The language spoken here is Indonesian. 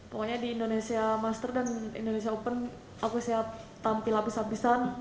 pokoknya di indonesia master dan indonesia open aku siap tampil lapis habisan